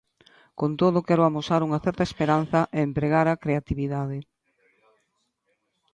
Con todo, quero amosar unha certa esperanza e empregar a creatividade.